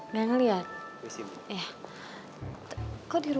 mas ferti kuterti